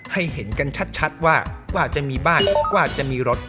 เห็นกันชัดว่ากว่าจะมีบ้านกว่าจะมีรถ